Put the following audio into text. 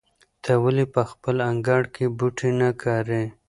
ته ولې په خپل انګړ کې بوټي نه کرې؟